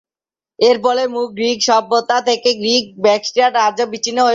এর ফলে মূল গ্রিক সভ্যতা থেকে গ্রিক-ব্যাক্ট্রিয় রাজ্য বিচ্ছিন্ন হয়ে পড়ে।